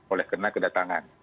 oleh kena kedatangan